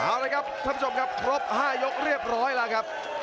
เอาละครับท่านผู้ชมครับครบ๕ยกเรียบร้อยแล้วครับ